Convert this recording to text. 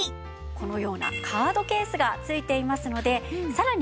このようなカードケースが付いていますのでさらに